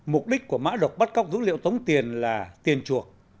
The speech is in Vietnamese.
mục đích của mã độc bắt cóc dữ liệu tống tiền là tiền chuộc